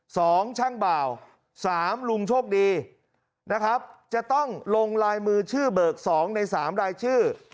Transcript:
สองช่างบ่าวสามลุงโชคดีนะครับจะต้องลงลายมือชื่อเบิกสองในสามรายชื่อ